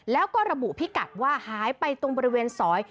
แล้วก็ระบุพิกัดว่าหายไปตรงบริเวณซอย